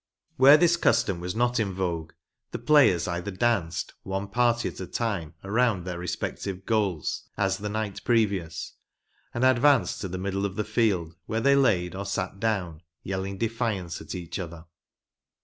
Where this custom was not in vogue, the players either danced, one party at a time, around their respective goals, as the night previous, and advanced to the middle of the field where they laid or sat down, yelling defiance at each other.